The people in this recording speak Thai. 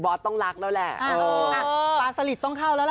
บอสต้องรักแล้วแหละ